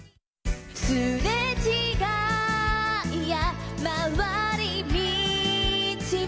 「すれちがいやまわり道を」